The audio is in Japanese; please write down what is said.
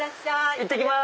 いってきます。